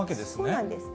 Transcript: そうなんです。